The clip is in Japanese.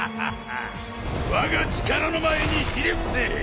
わが力の前にひれ伏せ！